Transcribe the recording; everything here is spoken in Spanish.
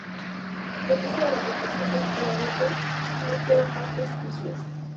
Del resto de la construcción del priorato no quedan más vestigios.